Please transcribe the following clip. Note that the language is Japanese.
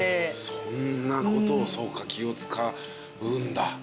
そんなことをそうか気を使うんだ。